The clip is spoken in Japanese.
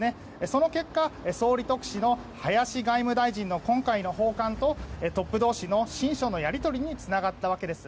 その結果、総理特使の林外務大臣の今回の訪韓とトップ同士の親書のやり取りにつながったわけです。